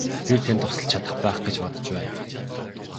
Би танд тусалж чадах байх гэж бодож байна.